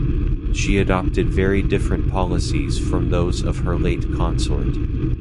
She adopted very different policies from those of her late consort.